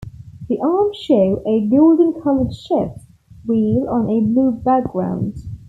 The arms show a gold-colored ship's wheel on a blue background.